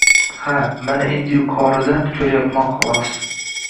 Ha, mana endi yuqoridan ko‘ryapman xolos.